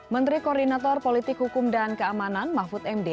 menteri koordinator politik hukum dan keamanan mahfud md